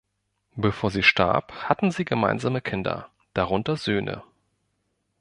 Bevor sie starb hatten sie gemeinsame Kinder, darunter Söhne.